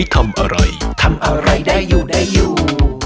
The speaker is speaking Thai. ทำอะไรได้อยู่ได้อยู่